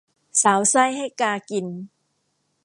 สาวไส้ให้กากิน